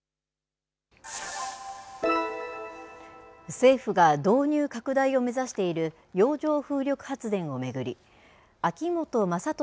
政府が導入拡大を目指している洋上風力発電を巡り秋本真利